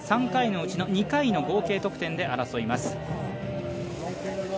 ３回のうちの２回の合計得点で争います。